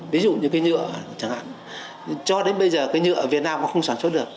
ví dụ như cái nhựa cho đến bây giờ cái nhựa ở việt nam nó không sản xuất được